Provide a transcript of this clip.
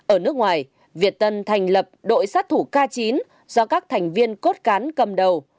ở nước ngoài việt tân thành lập đội sát thủ k chín do các thành viên cốt cán cầm đầu